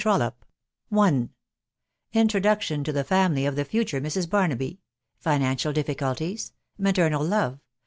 [W &B INTRODUCTION TO THE FAMILY OF TBS FUTURK MRS. BARNABY.— FINANCIAL DIFFICULTIES. MATERNAL LOVE.